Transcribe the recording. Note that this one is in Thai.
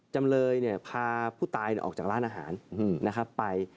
จำเลยพาผู้ตายออกจากร้านอาหารนะครับไป